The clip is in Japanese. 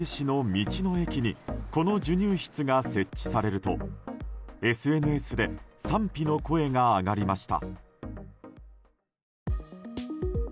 先週の水曜日島根県松江市の道の駅にこの授乳室が設置されるとＳＮＳで賛否の声が上がりました。